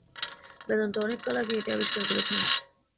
বেদান্ত অনেককাল আগে এটি আবিষ্কার করেছেন।